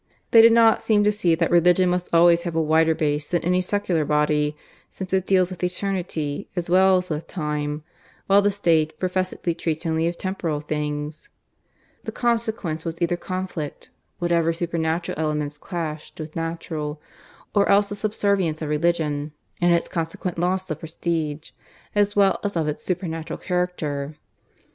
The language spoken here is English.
They did not seem to see that Religion must always have a wider basis than any secular body, since it deals with eternity as well as with time, while the State, professedly, treats only of temporal things. The consequence was either conflict, whenever supernatural elements clashed with natural; or else the subservience of Religion, and its consequent loss of prestige, as well as of its supernatural character.